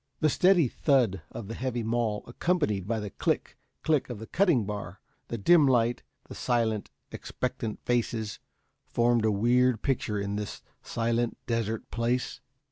The steady thud of the heavy maul, accompanied by the click, click of the cutting bar, the dim light, the silent, expectant faces, formed a weird picture in this silent desert place.